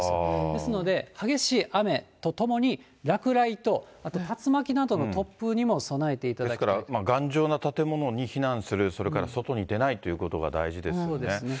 ですので、激しい雨とともに落雷とあと竜巻などの突風にも備えていただきたですから頑丈な建物に避難する、それから外に出ないということが大事ですね。